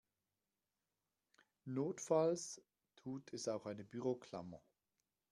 Notfalls tut es auch eine Büroklammer.